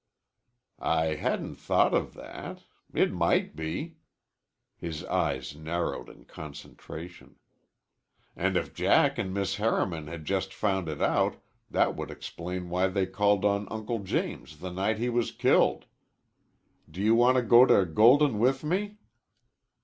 "I hadn't thought of that. It might be." His eyes narrowed in concentration. "And if Jack an' Miss Harriman had just found it out, that would explain why they called on Uncle James the night he was killed. Do you want to go to Golden with me?"